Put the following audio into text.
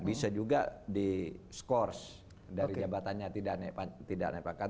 bisa juga di score dari jabatannya tidak nepatkan